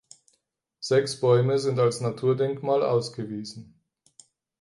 Sechs Bäume sind als Naturdenkmal ausgewiesen.